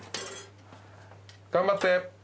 頑張って。